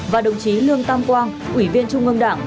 và đồng chí lương tam quang ủy viên trung ương đảng